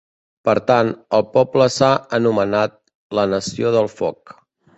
Per tant, el poble s'ha anomenat la Nació del Foc.